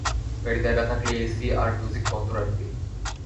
গাড়িতে একা থাকলে এসি আর মিউজিক বন্ধ রাখবি।